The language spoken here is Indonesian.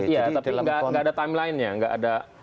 iya tapi nggak ada timeline nya